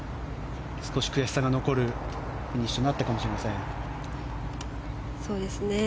少し悔しさが残るフィニッシュとなったかもしれません。